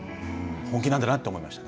本気なんだと思いました。